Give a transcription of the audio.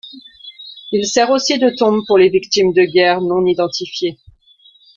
Il sert aussi de tombe pour les victimes de guerre non identifiées.